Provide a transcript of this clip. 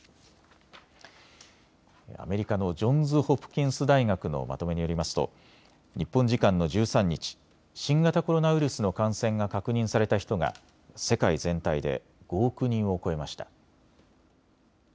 アメリカのジョンズ・ホプキンス大学のまとめによりますと日本時間の１３日、新型コロナウイルスの感染が確認された人が世界全体で５億人を超えました。